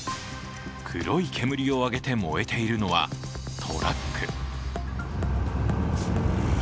黒い煙を上げて燃えているのはトラック。